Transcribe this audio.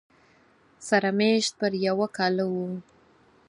سره مېشت پر یو کاله و